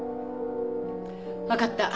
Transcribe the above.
わかった。